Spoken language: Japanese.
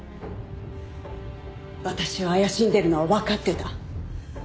私を怪しんでるのはわかってた。